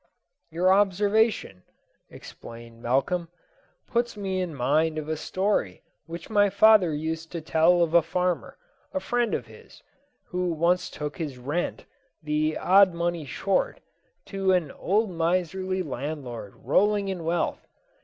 "Your observation," exclaimed Malcolm, "puts me in mind of a story which my father used to tell of a farmer, a friend of his, who once took his rent, the odd money short, to an old miserly landlord rolling in wealth.